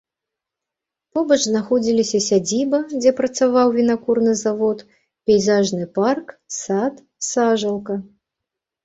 Побач знаходзіліся сядзіба, дзе працаваў вінакурны завод, пейзажны парк, сад, сажалка.